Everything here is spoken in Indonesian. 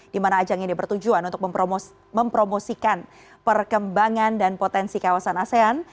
di mana ajang ini bertujuan untuk mempromosikan perkembangan dan potensi kawasan asean